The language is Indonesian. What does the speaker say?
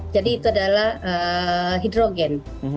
jadi itu adalah hidrogen